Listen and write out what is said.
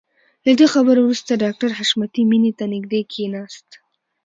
له دې خبرو وروسته ډاکټر حشمتي مينې ته نږدې کښېناست.